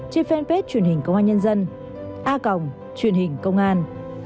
trên fanpage truyền hình công an nhân dân a g truyền hình công an